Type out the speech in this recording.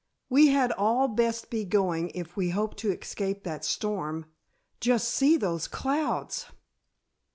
"We had all best be going if we hope to escape that storm. Just see those clouds!"